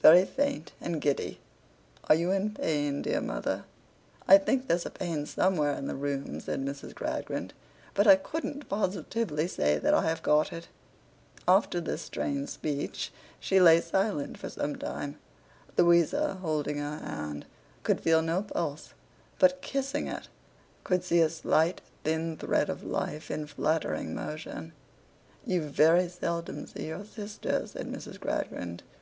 Very faint and giddy.' 'Are you in pain, dear mother?' 'I think there's a pain somewhere in the room,' said Mrs. Gradgrind, 'but I couldn't positively say that I have got it.' After this strange speech, she lay silent for some time. Louisa, holding her hand, could feel no pulse; but kissing it, could see a slight thin thread of life in fluttering motion. 'You very seldom see your sister,' said Mrs. Gradgrind.